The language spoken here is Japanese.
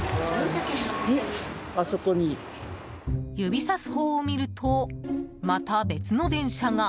指さす方を見るとまた別の電車が。